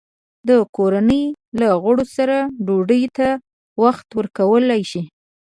د کورنۍ له غړو سره ډوډۍ ته وخت ورکول شي؟